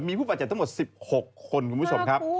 มีผู้บาดเจ็บทั้งหมด๑๖คนคุณผู้ชมครับ